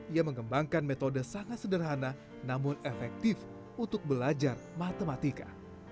ia mengembangkan metode sangat sederhana namun efektif untuk belajar matematika